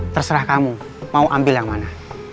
terserah kamu mau ambil yang mana